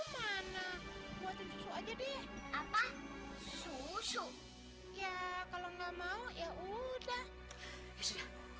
mana buatin susu aja deh apa susu ya kalau nggak mau ya udah